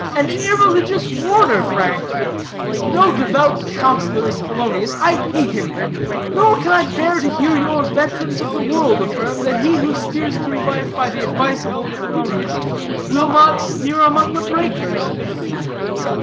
An irreligious warner, Frank no devout counselor, is Polonius. I hate him. Nor can I bear to hear your veterans of the world affirm, that he who steers through life by the advice of old Polonius will not steer among the breakers."